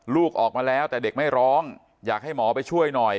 ลูกออกมาแล้วแต่เด็กไม่ร้องอยากให้หมอไปช่วยหน่อย